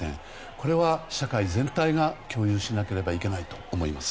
これは社会全体が共有しなければいけないと思います。